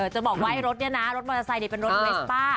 จะบอกว่ารถมอเตอร์ไซค์เป็นรถเวสป้า